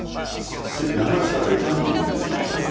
流したらいかんって言うんですよ。